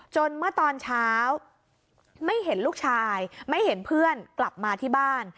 เมื่อตอนเช้าไม่เห็นลูกชายไม่เห็นเพื่อนกลับมาที่บ้าน